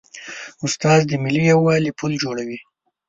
استاد د ملي یووالي پل جوړوي.